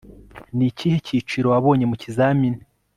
ni ikihe cyiciro wabonye mu kizamini